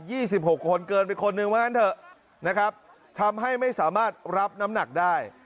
ี่สิบหกคนเกินไปคนหนึ่งว่างั้นเถอะนะครับทำให้ไม่สามารถรับน้ำหนักได้